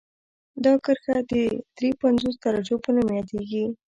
دا کرښه د دري پنځوس درجو په نوم یادیږي